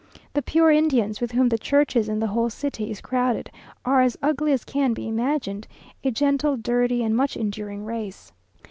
The pure Indians, with whom the churches and the whole city is crowded, are as ugly as can be imagined; a gentle, dirty, and much enduring race.